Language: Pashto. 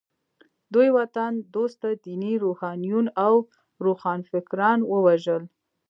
دوی وطن دوسته ديني روحانيون او روښانفکران ووژل.